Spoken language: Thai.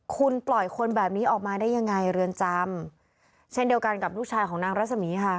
คุณปล่อยคนแบบนี้ออกมาได้ยังไงเรือนจำเช่นเดียวกันกับลูกชายของนางรัศมีค่ะ